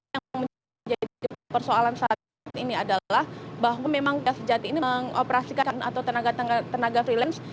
yang menjadi persoalan saat ini adalah bahwa memang kesejati ini mengoperasikan atau tenaga freelance